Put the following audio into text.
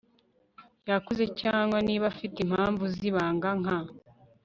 yakoze cyangwa niba afite impamvu zi banga, nka